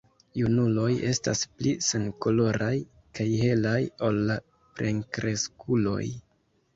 Junuloj estas pli senkoloraj kaj helaj ol la plenkreskuloj.